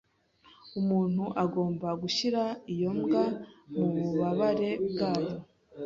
Umuntu agomba gushyira iyo mbwa mububabare bwayo.